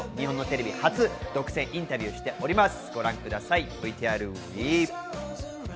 日本のテレビ初独占インタビューしております。